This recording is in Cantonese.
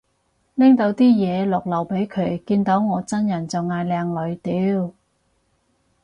拎到啲嘢落樓俾佢，見到我真人就嗌靚女，屌